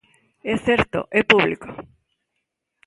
É certo e público.